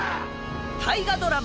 大河ドラマ